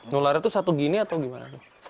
nularnya itu satu gini atau gimana